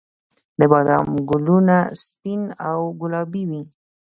د بادام ګلونه سپین او ګلابي وي